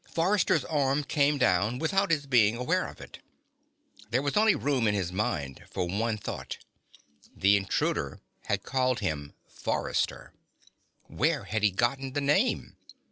Forrester's arm came down, without his being aware of it. There was only room in his mind for one thought. The intruder had called him Forrester. Where had he gotten the name?